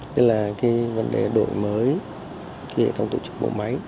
thì là vấn đề đội mới kỳ hệ thống tổ chức bộ máy